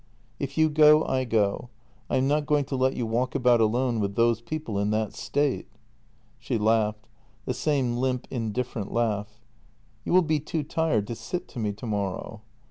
"If you go, I go — I am not going to let you walk about alone with those people in that state." She laughed — the same limp, indifferent laugh. " You will be too tired to sit to me tomorrow."